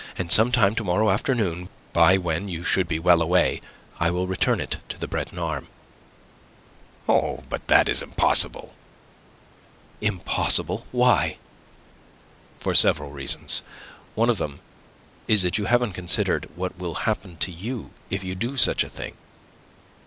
And sometime to morrow afternoon, by when you should be well away, I will return it to the Breton arme." "Oh, but that is impossible." "Impossible? Why?" "For several reasons. One of them is that you haven't considered what will happen to you if you do such a thing."